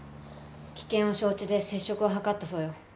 危険を承知で接触を図ったそうよ。